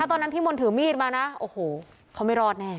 ตอนนั้นพี่มนต์ถือมีดมานะโอ้โหเขาไม่รอดแน่